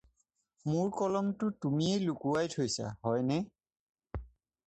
মোৰ কলমটো তুমিয়েই লুকুৱাই থৈছা, হয়নে?